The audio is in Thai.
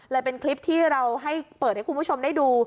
เป็นคลิปที่เราให้เปิดให้คุณผู้ชมได้ดู